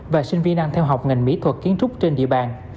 và sinh viên đang theo học ngành mỹ thuật kiến trúc trên địa bàn